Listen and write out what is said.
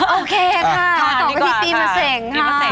โอเคค่ะต่อกับที่ปีเมื่อเสร็งค่ะ